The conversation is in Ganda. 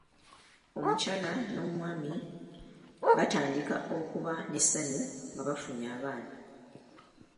Omukyala n'omwami baatandika okuba ne ssanyu nga bafunye abaana.